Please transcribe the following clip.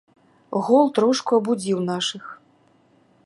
Гол трошку абудзіў нашых.